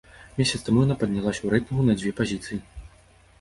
Месяц таму яна паднялася ў рэйтынгу на дзве пазіцыі.